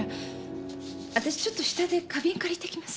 私ちょっと下で花瓶借りてきます。